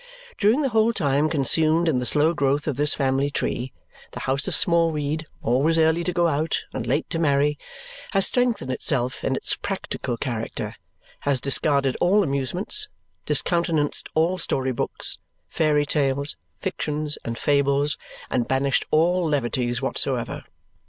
During the whole time consumed in the slow growth of this family tree, the house of Smallweed, always early to go out and late to marry, has strengthened itself in its practical character, has discarded all amusements, discountenanced all story books, fairy tales, fictions, and fables, and banished all levities whatsoever.